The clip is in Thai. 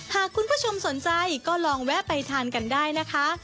หากคุณผู้ชมสนใจก็ลองแวะไปทานกันได้นะคะ